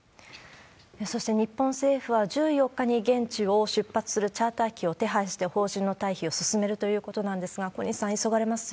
そして、日本政府は１４日に現地を出発するチャーター機を手配して、邦人の退避を進めるということなんですが、小西さん、急がれます